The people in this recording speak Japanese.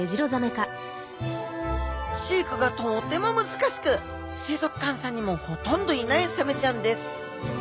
飼育がとっても難しく水族館さんにもほとんどいないサメちゃんです